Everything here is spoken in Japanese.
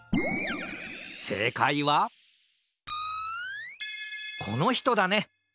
せいかいはこのひとだね！